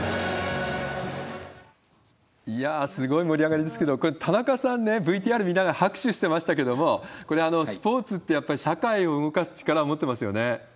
いやー、すごい盛り上がりですけど、これ、田中さんね、ＶＴＲ見ながら拍手してましたけれども、これ、スポーツって、やっぱり社会を動かす力を持ってますよね。